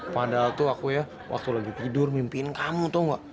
padahal tuh aku ya waktu lagi tidur mimpiin kamu tau nggak